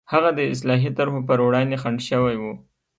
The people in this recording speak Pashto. هغه د اصلاحي طرحو پر وړاندې خنډ شوي وو.